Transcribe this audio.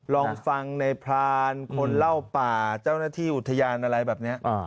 ลองฟังในพรานคนเล่าป่าเจ้าหน้าที่อุทยานอะไรแบบนี้